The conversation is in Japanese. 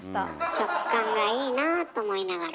食感がいいなあと思いながら。